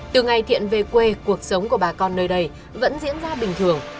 từ ngày thiện về quê cuộc sống của bà con nơi đây vẫn diễn ra bình thường